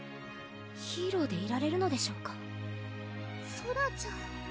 ヒーローでいられるのでしょうかソラちゃん